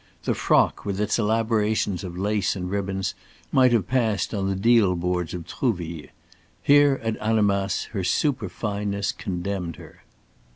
The frock with its elaborations of lace and ribbons might have passed on the deal boards of Trouville. Here at Annemasse her superfineness condemned her.